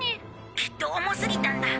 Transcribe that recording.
きっと重すぎたんだ。